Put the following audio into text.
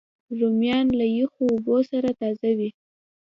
رومیان له یخو اوبو سره تازه وي